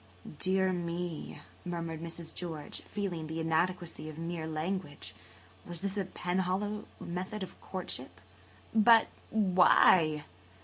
"Dear me!" murmured Mrs. George, feeling the inadequacy of mere language. Was this a Penhallow method of courtship? "But why?